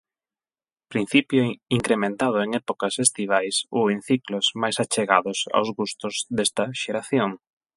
Principio incrementado en épocas estivais ou en ciclos máis achegados aos gustos desta xeración.